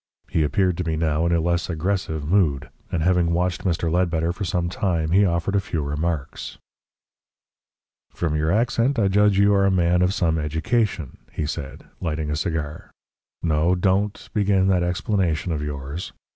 He appeared to be now in a less aggressive mood, and having watched Mr. Ledbetter for some time, he offered a few remarks. "From your accent I judge you are a man of some education," he said, lighting a cigar. "No DON'T begin that explanation of yours.